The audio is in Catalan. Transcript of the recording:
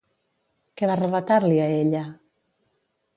Què va relatar-li a ella?